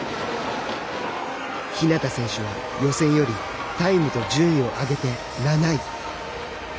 日向選手は予選よりタイムと順位を上げて７位。